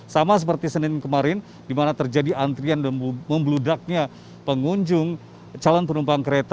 sama seperti senin kemarin di mana terjadi antrian dan membludaknya pengunjung calon penumpang kereta